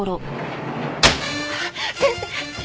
先生！